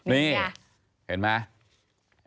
นี่เห็นไหม